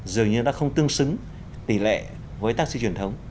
dường như nó không tương xứng tỷ lệ với taxi truyền thống